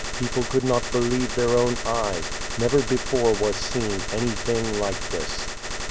People could not believe their own eyes. Never before was seen anything like this.